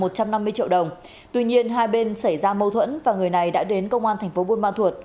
một trăm năm mươi triệu đồng tuy nhiên hai bên xảy ra mâu thuẫn và người này đã đến công an thành phố buôn ma thuột